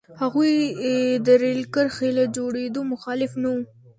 هغوی د رېل کرښې له جوړېدو مخالف نه وو.